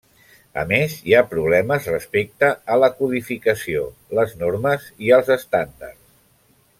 A més, hi ha problemes respecte a la codificació, les normes i els estàndards.